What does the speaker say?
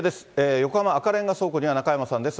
横浜・赤レンガ倉庫には中山さんです。